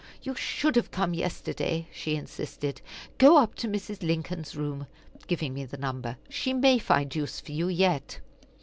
"You should have come yesterday," she insisted. "Go up to Mrs. Lincoln's room" giving me the number "she may find use for you yet."